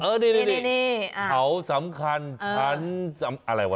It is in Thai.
เออดีอ่าวสำคัญฉันอะไรวะ